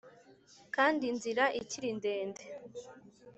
kandi inzira ikiri ndende.